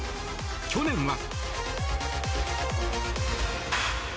去年は。